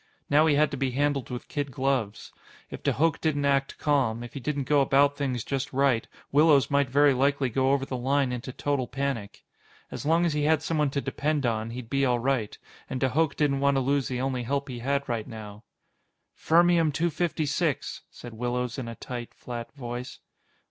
Now he had to be handled with kid gloves. If de Hooch didn't act calm, if he didn't go about things just right, Willows might very likely go over the line into total panic. As long as he had someone to depend on, he'd be all right, and de Hooch didn't want to lose the only help he had right now. "Fermium 256," said Willows in a tight, flat voice.